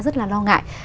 rất là lo ngại